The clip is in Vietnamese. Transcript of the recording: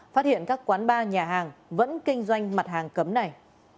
phát hiện các quán bar nhà hàng vẫn kinh doanh mặt hàng cấm này